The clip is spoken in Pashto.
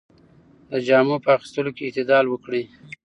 د جامو په اخیستلو کې اعتدال وکړئ.